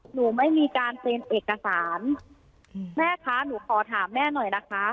หนูไม่มีการเซ็นเอกสารแม่คะหนูขอถามแม่หน่อยนะคะ